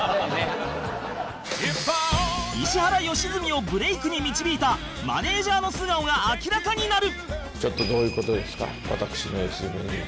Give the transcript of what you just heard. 石原良純をブレイクに導いたマネジャーの素顔が明らかになる！